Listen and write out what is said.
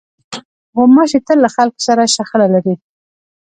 غوماشې تل له خلکو سره شخړه لري.